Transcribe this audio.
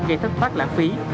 gây thất phát lãng phí